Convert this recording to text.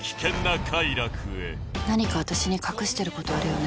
何か私に隠してる事あるよね？